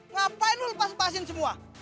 ngapain lo lepas lepasin semua